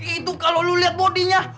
itu kalau lo lihat bodinya